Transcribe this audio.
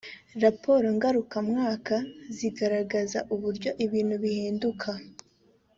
raporo ngarukamwaka zigaragaza uburyo ibintu bihinduka